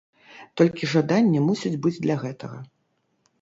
Толькі жаданне мусіць быць для гэтага.